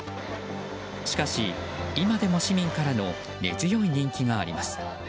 しかし今でも市民からの根強い人気があります。